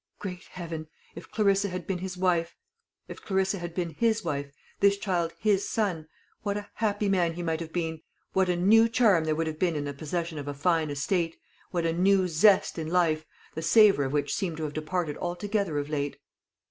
Great Heaven! if Clarissa had been his wife, this child his son, what a happy man he might have been, what a new charm there would have been in the possession of a fine estate, what a new zest in life, the savour of which seemed to have departed altogether of late!